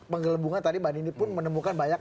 penggelembungan tadi mbak nini pun menemukan banyak